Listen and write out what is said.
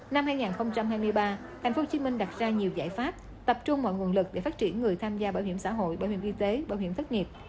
năm hai nghìn hai mươi ba thành phố hồ chí minh đặt ra nhiều giải pháp tập trung mọi nguồn lực để phát triển người tham gia bảo hiểm xã hội bảo hiểm y tế bảo hiểm thất nghiệp